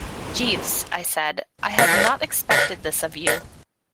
"Jeeves," I said, "I had not expected this of you."